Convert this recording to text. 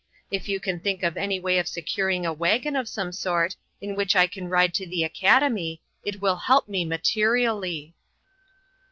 If you can think of any way of securing a wagon of some sort in which I can ride to the academy, it will help me materially."